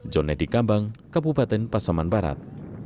johnedi kambang kabupaten pasaman barat